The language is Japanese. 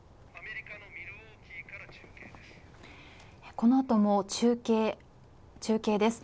このあとも中継です。